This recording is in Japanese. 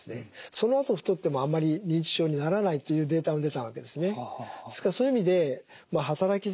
そのあと太ってもあまり認知症にならないというデータが出たわけですね。